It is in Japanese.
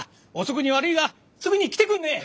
遅くに悪いがすぐに来てくんねえ！